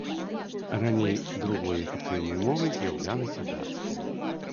Раней другой афіцыйнай мовай з'яўлялася дацкая.